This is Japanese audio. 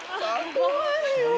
怖いよ！